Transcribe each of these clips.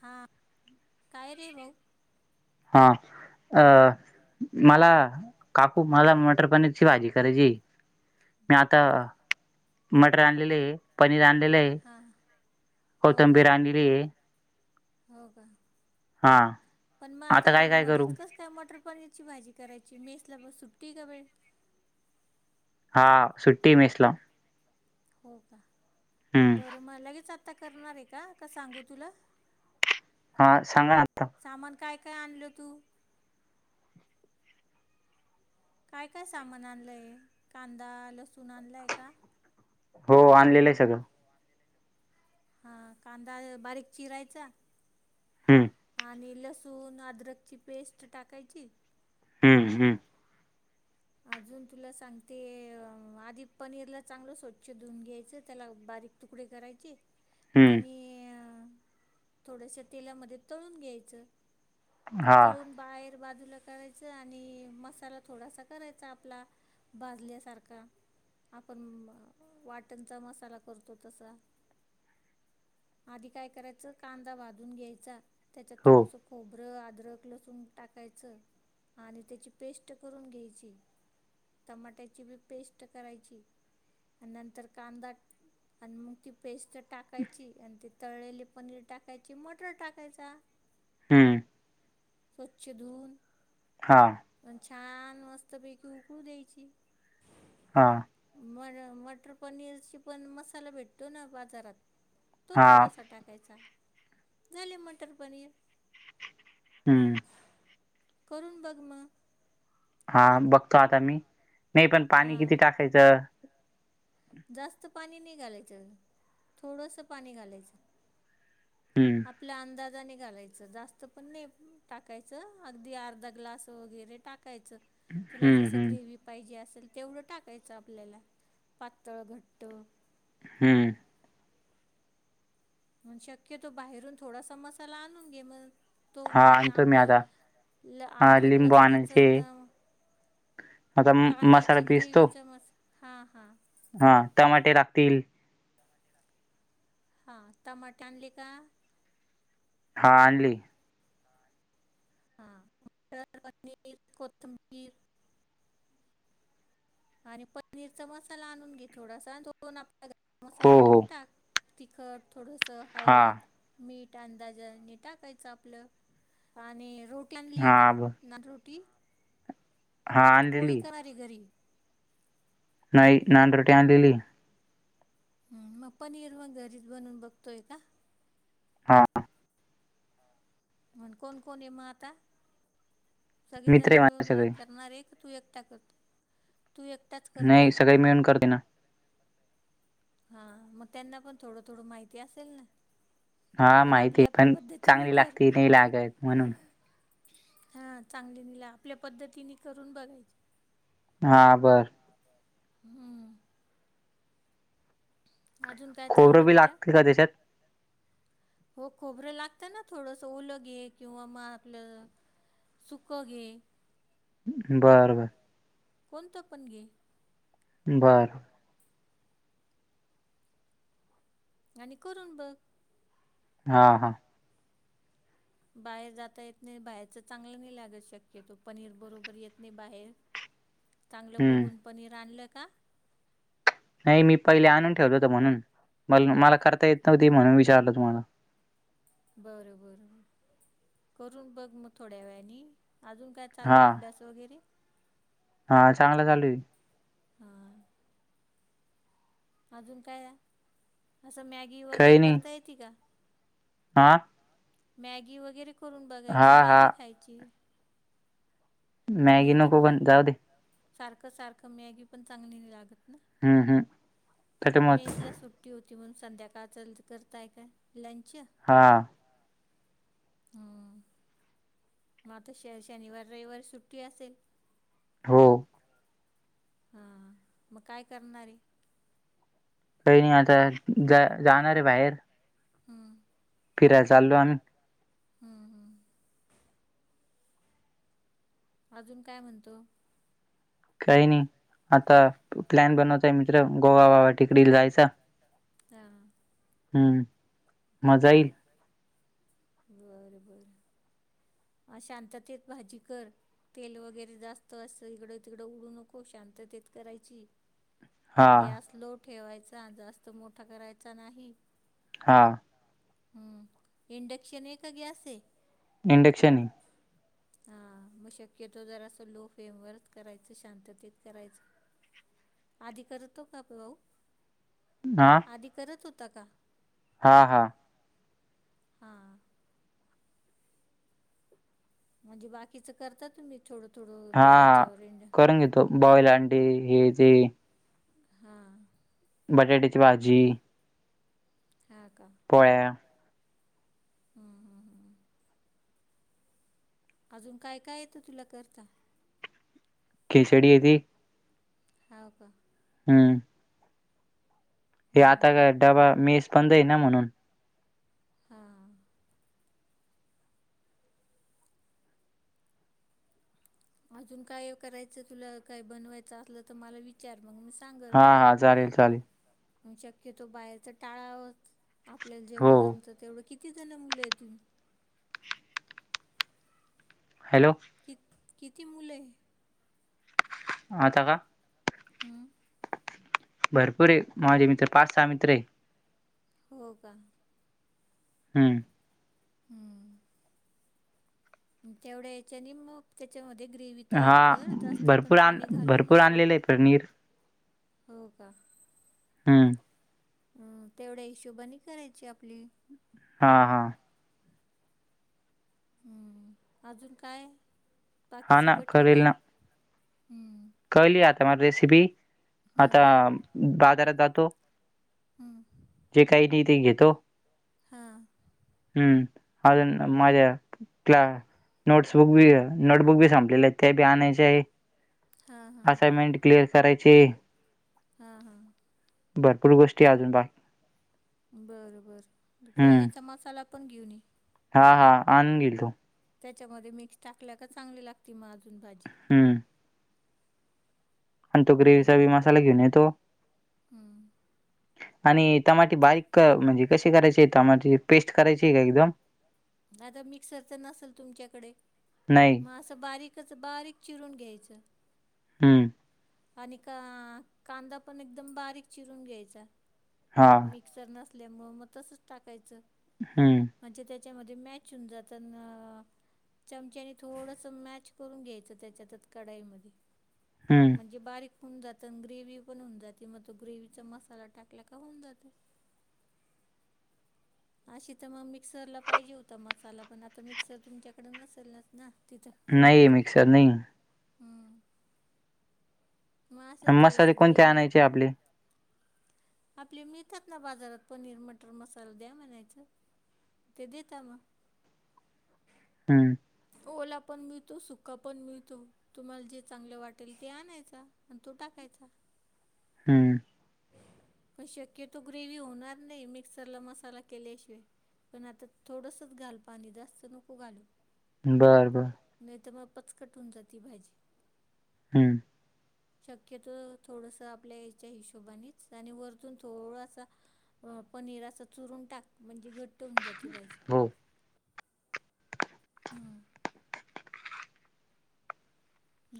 हा... काय रे भाऊ? हा.. अ... मला... काकू... मला मटर पनीरची भाजी करायचीए मी आता मटर आणलेलेए पनीर आणलेलंए... हां हो का कोथंबीर आणलेलीये हो का... हा पण मग आता, काय काय करू मध्येेच कसं? काय मटर पनीरची भाजी करायची? मेसला.. मग सुट्टी का वेळ हा... सुट्टी ए मेस ला हो का? हम्म बरं मग.. लगेच आता करणार आहे का? का सांगू तुला हा सांगा ना आत्ता सामान काय काय आणलं तू काय काय सामान आणलंय... कांदा लसूण आणलाय का हो.. आणलेलं ए सगळं हा... कांदा बारीक चिरायचा हम्म आणि लसूण अद्रकची पेस्ट टाकायची हम्म.. हम्म अजून तुला सांगते... आधी पनीरला चांगलं स्वच्छ धुवून घ्यायचं... त्याला बारीक तुकडे करायचे हम्म आणि थोड्याशा तेलामध्ये तळून घ्यायचं ते हा तळून बाहेर बाजूला करायचं आणि मसाला थोडासा करायचा आपला... भाजल्यासारखा आपण... वाटणचा मसाला करतो तसा आधी काय करायचं कांदा वाधून घ्यायचा त्याच्यात हो थोडस खोबरं अद्रक लसून टाकायचं आणि त्याची पेस्ट करून घ्यायची.. टमाट्याची बी पेस्ट करायची आणि नंतर कांदा आणि मग ती पेस्ट टाकायची आणि ती तळलेली पनीर टाकायची मटर टाकायचा.. हम्म स्वच्छ धुून.. हा.. पण छान मस्त पैकी उकडू द्यायची. हा.. म मटर पनीर पण मसाला भेटतो ना बाजारात.. तो हा थोडासा टाकायचा झाले मटर पनीर... हम्म करून बघ मग... हा बघतो आता मी नाही पण पाणी किती हां टाकायचं.... जास्त पाणी नाही घालायचं थोडस पाणी घालायचं... हम्म आपल्या अंदाजाने घालायचं, जास्त पण नाही टाकायचं, अगदी अर्धा ग्लास वगैरे टाक टाकायचं, तुला हम्म जसं हम्म ग्रेव् पाहिजे असेल तेवढं टाकायचं आपल्याला पातळ, घट्ट. हम्. मग शक्यतो बाहेरून थोडासा मसाला आणून घे मग. तो हा म्हण आणतो मी आपलं, आता हा आद्रक लिंबू लसणाच आणायचे न आता मसाला कांद्याची ग्रेवी पिसतो च मसाला, हा हा. हा टमाटे लागतील. हां टमाट आणली का? हा आणली. हां मटर पनीर, कोथंबीर आणि पनीरचा मसाला आणून घे थोडासा, दोन आपला गरम हो मसाला हो मिळून टाक. तिखट, थोडंसं हा हळद. मीठ अंदाज आणि, टाकायचं आपलं आणि रोटी हा [unintelligible] तीन हा पोळी आणलेली कराले घरी नाही नान रोटी आणलेली ह, मग पनीर मग घरीच बनवून बघतोय का? हा. म्हग, कोण कोण ए मा आता? सगळी मित्र जण आहे माझे मिळून सगळे करणार ये का? तू एकटा करत तू एकटाच करतोय नाही सगळी मिळून करतोय ना. हा मग त्यांना पण थोडं थोडं माहिती असेल ना. हा पण आपली माहितीय आपली पण पद्धतीने चांगली लागते, नाही लागय म्हणून हा चांगले [unintelligible] आपल्या पद्धतीने करून बघायच हा बरं. हम्म! अजून काय खोबरं चाललय बी बेटा? लागते का त्याच्यात हो खोबरं लागतं ना थोडंसं, ओलघे किंवा मग आपलं सुख घे. बर बर. कोणतं पण घे. बरं. आणि करून बघ. हा हा. बाहेर जाता येत नाही, बाहेरचं चांगलं नाही लागत शक्यतो पनीर बरोबर येत नाही बाहेर. [unintelligible] चांगलं हम्म बघून पनीर आणलं का? नाही मी पहिले आणून ठेवलं होत म्हणून, पण मला करता येत न्हवत म्हणून विचारलं तुम्हाला. बर बर, करून बघ मग थोड्या वेळानी अजून काय हा चालला अभ्यास वगैरे हा चांगला चालू आहे. हां. अजून काय? असं मॅगी काही वगैरे नाही करता येत का? हा. मॅगी वगैरे करून हा बघायची, हा मॅगी खायची मॅगी नाही तर नको पण मग, जाऊ दे सारखं सारखं मॅगी पण चांगली लागत ना हम् हम्. मेला सुट्टी होती म्हण संध्याकाळ चाल करताय का, लंच हा. हं मग त शहर शनिवार रविवारी सुट्टी असेल हो हा मग काय करणारे काही नाही आता जा जाणार आहे बाहेर हम्म फिराय चालो आ्ही हम्म हम् अजून काय म्हणतो काही नाही आता प्लॅन बनवता आहे मित्र गोवाबावा तिकड जायचा हा हम्म मजा येईल बर बर अ शांततेत भाजी कर तेल वगैरे जास्त असं इकडं तिकडं उडू नको शांततेत करायची हा गॅस लो ठेवायचा जास्त मोठा करायचा नाही हा इंडक्शन आहे का गॅस आहे इंडक्शन हा मग शक्यतो जरासं लो फेमवरच करायचं शांततेत करायचं आधी करतो का आप भाऊ हा आधी करत होता का हा हा हा म्हणजे बाकीचं करता तुम्ही ोडो ोडो हा करून घेतो बॉईल आणंटी हे ते हा बटाट्याची भाजी हा का पोळ्या हं, हं, हं. अजून काय काय येतं तुला करता खिसडी आहे त हो का हम. हे हं, आता काय डबा मेस पण जाई ना म्हणून. हा. अजून काय करायचं तुला काय बनवायचं असलं तर मला विच. विचार मग मी सांगल. हा हा चालेल चालेल शक्यतो बाहेरच टाळा आपल्याला जेवढं हो हो जमतं तेवढं किती जण मुलं आहेत तुम्ही. हॅलो. कि किती मुलं आहे. आता का. हम. भरपूर एक माझे मित्र पाच सहा मित्र आहे. हो का. हम. हम. तेवढ्या याच्या आणि मग. त्याच्यामध्ये ग्रेव तयार हा कर जास्त पण भरपूर आण पाणी घालू भरपूर नको. आणलेलं आहे पनीर हो का. हम. ह तेवढ्या हिशोबनी करायची आपली. हा हा. हम् अजून काय बाकी हा ना सगळं ठीक कळेल आहे ना हम्. कळली आता मला रेसिपी आता हां बाजारात जातो. हम्म. जे काही न ते घेतो. हां. हम्म अ मझ्या कला न. सबुक बी नोटबुक बी संपलेले आहे ते बी आणायचे आहे. हा. असाइनमेंट क्लिअर करायची. हा हा. भरपूर गोष्टी अजून बा. बरं बरं हम्म ग्रेवचा मसाला पण घेऊन ये. हा हा आणून गे तो. त्याच्यामध्ये मिक्स टाकल्या का चांगली लागते मग अजून भाजी. हम. आणि तो ग्रेवीचा बी हम्म मसाला घेऊन येतो हम्म आणि. टमाटे बारीक म्हणजे कसे करायचे टमाटीची पेस्ट करायची का एकदम. आता मिक्सर तर नसेल तुमच्याकडे नाही. म. असं बारीकच बारीक चिरून घ्यायचं. हम्म. आणि का कांदा पण एकदम बारीक चिरून घ्यायचा. हा. मिक्सर नसल्यामुळ मग तसच टाकायचं. हम. म्हणजे त्याच्यामध्ये मॅच होऊन जातना. चमच्यानी थोडस मॅच करून घ्यायचं त्याच्यात कडाईमध्ये. हम. म्हणजे बारीक होऊन जात आणि ग्रेव पण होऊन जाते मग तो ग्रेवचा मसाला टाकला का होऊन जातो. अशी तर मग मिक्सरला पाहिजे होता मसाला पण आता मिक्सर तुमच्याकडे नसेल नाच ना. तिथं नाही रूमवर मिक्सर नाही. हम्म. मग असं म सले थोडंसं कोणते ग्रेव्ही आणायची आपली. आपले मिळतात ना बाजारात पनीर मटर मसाला द्या म्हणायचं ते देता मग हम्म ओला पण मिळतो सुका पण मिळतो तुम्हाला जे चांगले वाटेल ते आणायचा आणि तो टाकायचा हम् पण शक्यतो ग्रेवी होणार नाही मिक्सरला मसाला केल्याशिवाय पण आता थोडंसंच घाल पाणी जास्त नको घालव बर बर नाही तर मग पच कटून जाती भाजी हम्म शक्यतो थोडस आपल्या याच्या हिशोबानेच आणि वरतून थोडासा अ पनीर असं चुरून टाक म्हणजे घट्ट होऊन जाते पाहिजे हो. हम्म.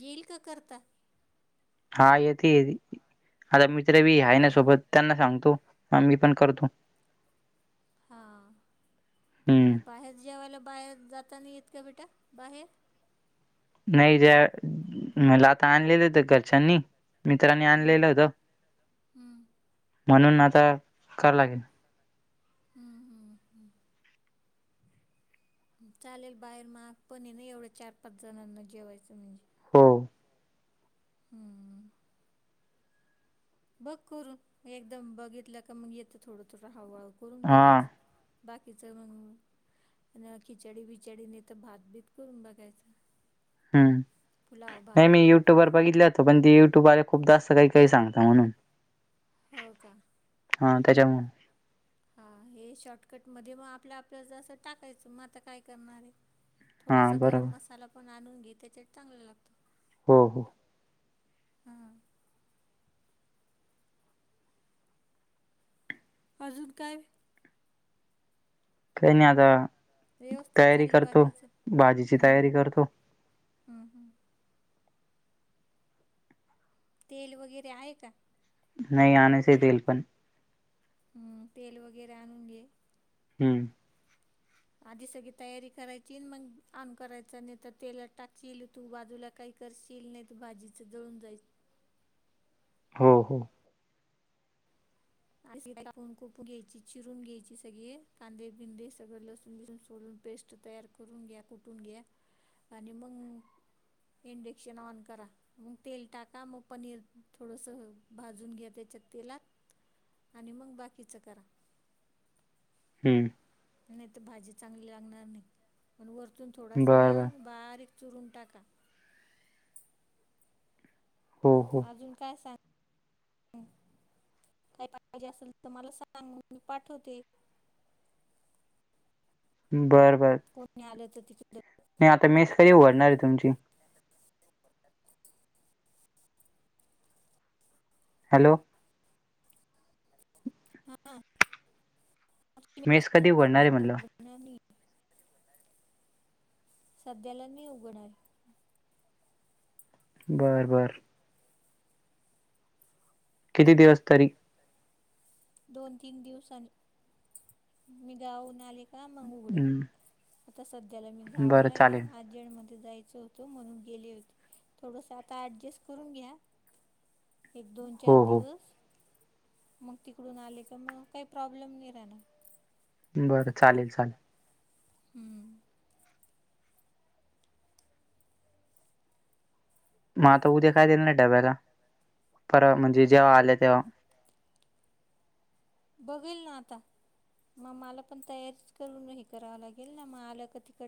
गेईल का करता हा येते आता मित्र बी आहे ना हां सोबत त्यांना सांगतो मग मी पण करतो हा हं. तर बाहेर जेवायला बाहेर जाताना येत का बेटा बाहेर नाही ज मलाात आणनलेते घरचननी मित्रांनी हं आणलेलं होत हं म्हणून आता कराव लागेल. हम्म हम्म हम्म. चालेल बाहेर माहग पण ना एवढ चार पाच जणांना जेवायचं म्हणजे. हो. हम्म. बघ करून एकदम बघितलं का मग येतं थोडं थोडं हवूहळू करून हां. बघायच. बाकीचं मग. आणि खिचडी बिचडीने तर भात भीत करून बघायचं. हम्म पुलाव भात नाही मी युट्यूब वर बघितले होतो पण तेी युट्युबले खूप जास्त काही काही सांगता म्हणून. हो का. हा त्याच्यामूळ. हा हे शॉर्टकट मध्ये मग आपल्या आपल्या ज असं टाकायचं मग आता काय करणार आहे. हा थोडासा गरम बरोबर मसाला पण आणून घे त्याच्यात चांगलं लागतो. हो हो. हां अजून काय. काही नाही आता व्यवस्थित तयारी चाललं करतो बाकीचं भाजीची हम्म तयारी हम्म करतो. हम्म हम्. तेल वगैरे आहे का. नाही आनायच आहे तेल पण, हम्म तेल वगैरे आणून घे. हम्म. आधी सगळी तयारी करायची मग ऑन करायच नाही तर तेला टाकी येल तू बाजूला काही करशील नाही तर भाजीचं जळून जायच. हो हो. आणि कापून कोपून घ्यायची चिरून घ्यायची सगळे कांदे बिंदे सगळं लसून लिसून सोडून पेस्ट तयार करून घ्या कुठून घ्या आणि मग इंडक्शन ऑन करा. मग तेल टाका मग पनीर थोडंस भाजून घ्या त्याच्यात तेलात. आणि मग बाकीचं करा. हम्म. नाही तर भाजी चांगली लागणार नाही पण वरतून थोडासा बरं बरं बारीक चुरून टाका. हो. हो अजून काय सांग. काय पाहिजे असेल तर मला सांग मी पाठवते. बरं बर. कोणी आलं तर तिकडं. नाही आता मेस कधी उघडणार आहे तुमची. हॅलो. हां. ती मेस कधी ऊघडणार आहे सध्या म्हटलं.. उघडणार सध्याला नाही उघणार. बर बर. किती दिवस तरी. दोन तीन दिवसानी मी गाऊून आले का मग उघडेल. हं आता सध्याला मी बरं गावाला आहे चालेल ना आ. म जायच होत म्हणून गेले होते थोडस आता डजस्ट करून घ्या. एक दोन चार हो हो दिवस. मग तिकडून आले का मग काही प्रॉब्लेम नाही राहणार. बरं चालेल चालेल. हम्म. मग आता उद्या काय देल नाही डब्याला पर म्हणजे जेव्हा आले तेव्हा. बघेल ना आता. मग मला पण तयारीच करून हे कराव लागेल ना मग आलं क तिकडे.